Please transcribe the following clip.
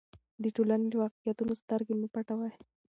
د ټولنې له واقعیتونو سترګې مه پټوئ.